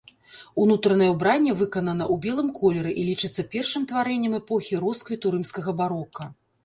Унутранае ўбранне выканана ў белым колеры і лічыцца першым тварэннем эпохі росквіту рымскага барока.